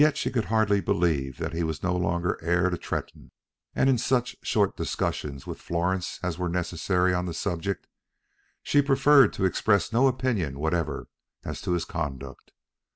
She could as yet hardly believe that he was no longer heir to Tretton: and in such short discussions with Florence as were necessary on the subject she preferred to express no opinion whatever as to his conduct.